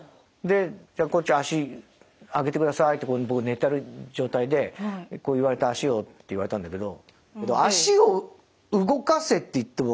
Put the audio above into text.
「こっち脚上げてください」って僕寝てる状態でこう言われて「脚を」って言われたんだけどみたいな。